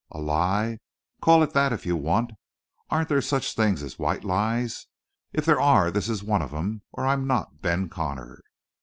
A lie? Call it that if you want. Aren't there such things as white lies? If there are, this is one of 'em or I'm not Ben Connor."